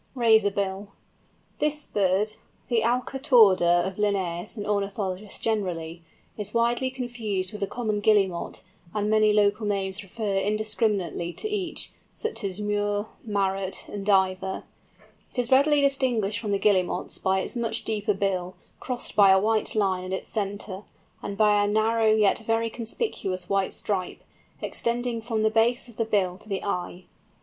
RAZORBILL. This bird, the Alca torda of Linnæus and ornithologists generally, is widely confused with the Common Guillemot, and many local names refer indiscriminately to each—such as Murre, Marrot, and Diver. It is readily distinguished from the Guillemots by its much deeper bill, crossed by a white line at its centre, and by a narrow yet very conspicuous white stripe, extending from the base of the bill to the eye.